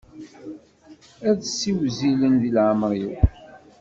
Ad ssiwzilen di leɛmer-iw.